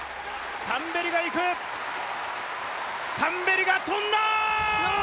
タンベリが行く、タンベリが跳んだ！